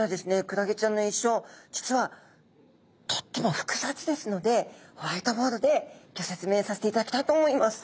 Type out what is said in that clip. クラゲちゃんの一生実はとっても複雑ですのでホワイトボードでギョ説明させていただきたいと思います。